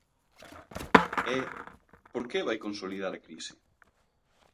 E ¿por que vai consolidar a crise?